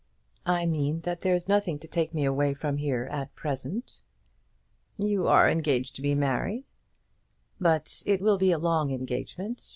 "I mean that there's nothing to take me away from here at present." "You are engaged to be married." "But it will be a long engagement.